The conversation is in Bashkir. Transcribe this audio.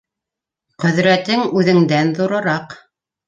Ҡөҙрәтең үҙеңдән ҙурыраҡ!